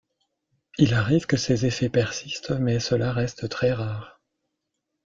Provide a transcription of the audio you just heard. Il arrive que ces effets persistent mais cela reste très rare.